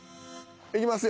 いきますよ。